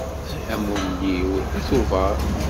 Amulli-iw deg Tuber.